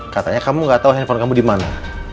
katanya kamu gak tau handphone kamu dimana